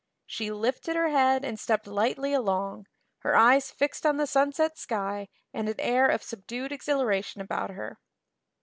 She lifted her head and stepped lightly along, her eyes fixed on the sunset sky and an air of subdued exhilaration about her.